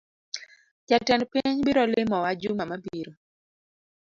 Jatend piny biro limowa juma mabiro